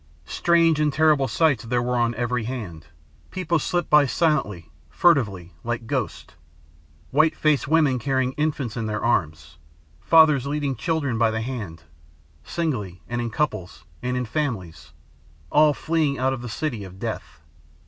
Strange and terrible sights there were on every hand. People slipped by silently, furtively, like ghosts white faced women carrying infants in their arms; fathers leading children by the hand; singly, and in couples, and in families all fleeing out of the city of death.